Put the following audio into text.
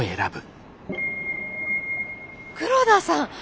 黒田さん！